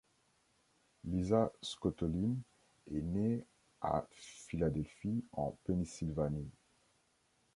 Lisa Scottoline est née à Philadelphie en Pennsylvanie.